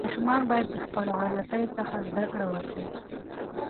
ماشومان باید د خپلو غلطیو څخه زده کړه وکړي.